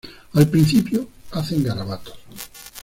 Al principio, hacen garabatos.